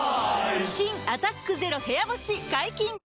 新「アタックＺＥＲＯ部屋干し」解禁‼